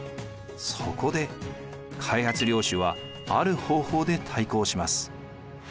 そこで開発領主はある方法で対抗します。